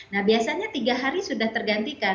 nah biasanya tiga hari sudah tergantikan